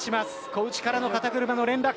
小内からの肩車の連絡。